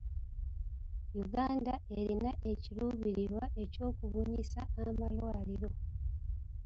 Uganda erina ekiruubirirwa ekyokubunyisa amalwaliro.